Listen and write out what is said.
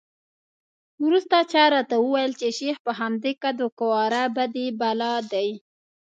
وروسته چا راته وویل چې شیخ په همدې قد وقواره بدي بلا دی.